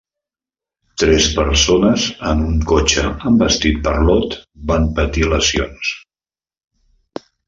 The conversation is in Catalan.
Tres persones en un cotxe envestit per Laud van patir lesions.